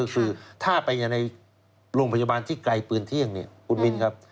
คือถ้าไปในโรงพยาบาลที่ไกลปืนเที่ยงเนี่ยคุณมินครับ